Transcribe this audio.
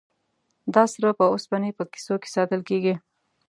دا سره په اوسپنې په کیسو کې ساتل کیږي.